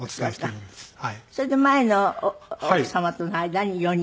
それで前の奥様との間に４人？